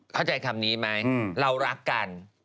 เข้าใจคำนี้ไหมเรารักกัน